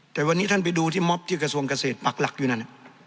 แต่วันนี้ท่านไปดูที่มอบที่กระทรวงเกษตรปักหลักอยู่นั่น